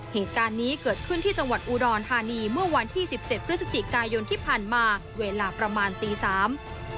เหตุการณ์นี้เกิดขึ้นที่จังหวัดอุดรธานีเมื่อวันที่สิบเจ็ดพฤศจิกายนที่ผ่านมาเวลาประมาณตีสาม